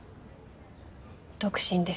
独身です。